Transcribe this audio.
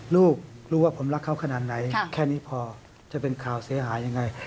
ลูกรู้ว่าผมรักเขาขนาดไหนแค่นี้พอจะเป็นข่าวเสียหายยังไง